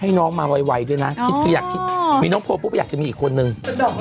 ให้น้องมาไวด้วยนะอยากมีน้องโพหลุปอยากจะมีอีกคนนึง